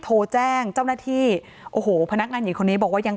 โทรแจ้งเจ้าหน้าที่โอ้โหพนักงานหญิงคนนี้บอกว่ายัง